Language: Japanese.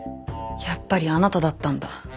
やっぱりあなただったんだ。